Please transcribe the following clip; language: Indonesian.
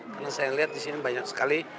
karena saya lihat disini banyak sekali